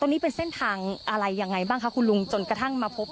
นี้เป็นเส้นทางอะไรยังไงบ้างคะคุณลุงจนกระทั่งมาพบ